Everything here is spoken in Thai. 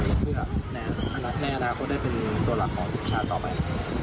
เพื่อแน่นะครับก็ได้เป็นตัวหลักของชาติต่อไป